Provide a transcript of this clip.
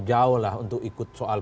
jauh lah untuk ikut soal